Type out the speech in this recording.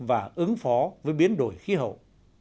và ứng phó với biến đổi khí hậu